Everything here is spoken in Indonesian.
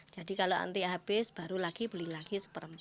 jadi kalau nanti habis baru lagi beli lagi satu empat